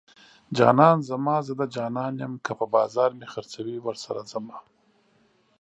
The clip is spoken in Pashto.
جانان زما زه د جانان یم که په بازار مې خرڅوي ورسره ځمه